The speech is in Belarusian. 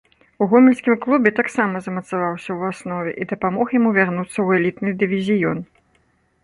У гомельскім клубе таксама замацаваўся ў аснове і дапамог яму вярнуцца ў элітны дывізіён.